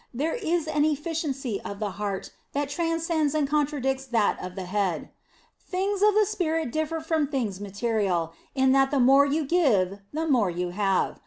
There is an efficiency of the heart that transcends and contradicts that of the head. Things of the spirit differ from things material in that the more you give the more you have.